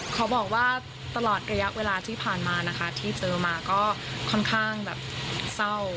ขอบอกว่าตลอดระยะเวลาที่ผ่านมานะคะที่เจอมาก็ค่อนข้างแบบเศร้า